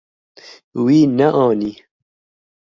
Wî neanî.